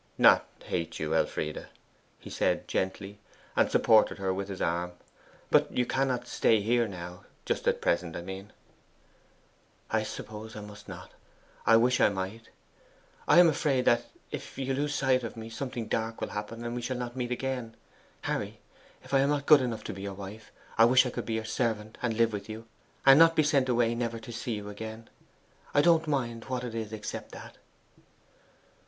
'Not hate you, Elfride,' he said gently, and supported her with his arm. 'But you cannot stay here now just at present, I mean.' 'I suppose I must not I wish I might. I am afraid that if you lose sight of me something dark will happen, and we shall not meet again. Harry, if I am not good enough to be your wife, I wish I could be your servant and live with you, and not be sent away never to see you again. I don't mind what it is except that!